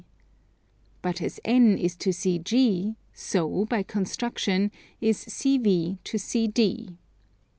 But as N is to CG, so, by construction, is CV to CD.